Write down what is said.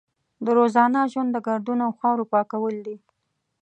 د روزانه ژوند د ګردونو او خاورو پاکول دي.